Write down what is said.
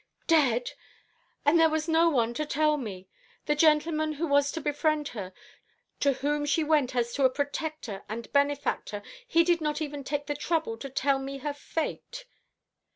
"Dead! And there was no one to tell me. The gentleman who was to befriend her, to whom she went as to a protector and benefactor, he did not even take the trouble to tell me her fate."